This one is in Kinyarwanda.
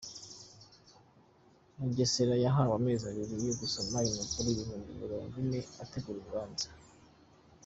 Mugesera yahawe amezi abiri yo gusoma impapuro ibihumbi Mirongo Ine ategura urubanza